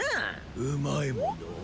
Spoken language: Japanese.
うまいもの？